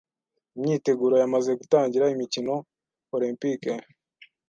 Imyiteguro yamaze gutangira imikino Olempike.